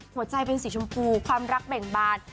หัวใจเป็นสีชมพูความรักเบ่งบาน